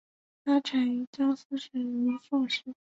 它产于江苏省如皋市。